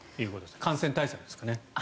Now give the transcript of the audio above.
感染対策ですね。